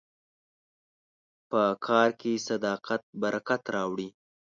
په کار کې صداقت برکت راوړي.